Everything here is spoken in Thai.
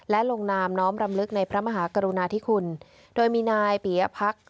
และลงนามน้อมรำลึกในพระมหากรุณาธิคุณโดยมีนายปียพักษ